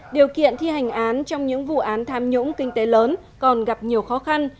điều kiện thi hành án trong những vụ án tham nhũng kinh tế lớn còn gặp nhiều khó khăn